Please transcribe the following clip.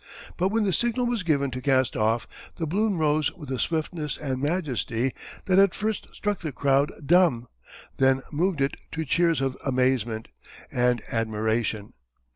But when the signal was given to cast off, the balloon rose with a swiftness and majesty that at first struck the crowd dumb, then moved it to cheers of amazement and admiration.